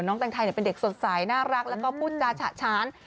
น้องตังไทยเป็นเด็กสดใสน่ารักแล้วก็พุ่นดาชาญ